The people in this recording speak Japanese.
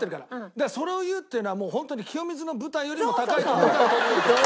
だからそれを言うっていうのはホントに清水の舞台よりも高いところから飛び降りてる。